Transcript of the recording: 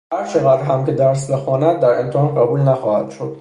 هرچقدر هم که درس بخواند در امتحان قبول نخواهد شد.